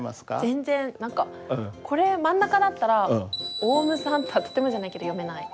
全然何かこれ真ん中だったら「おうむさん」とはとてもじゃないけど読めない。